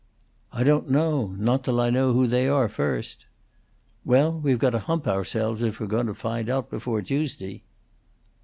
"I don't know. Not till I know who they are first." "Well, we've got to hump ourselves if we're goun' to find out before Tuesday."